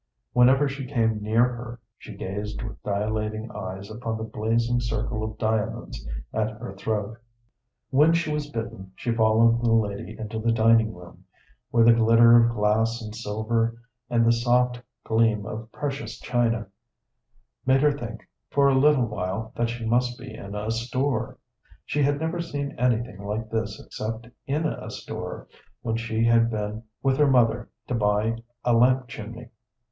Whenever she came near her she gazed with dilating eyes upon the blazing circle of diamonds at her throat. When she was bidden, she followed the lady into the dining room, where the glitter of glass and silver and the soft gleam of precious china made her think for a little while that she must be in a store. She had never seen anything like this except in a store, when she had been with her mother to buy a lamp chimney.